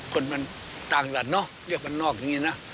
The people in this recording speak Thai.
คนมันต่างหลักเนาะเรียกมันนอกแบบนี้นะ